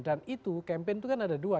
dan itu campaign itu kan ada dua